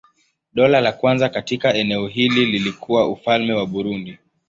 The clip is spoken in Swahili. Dola la kwanza katika eneo hili lilikuwa Ufalme wa Burundi.